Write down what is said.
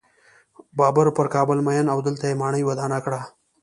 بابر پر کابل مین و او دلته یې ماڼۍ ودانه کړه.